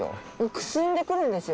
くすんでくるんですよ。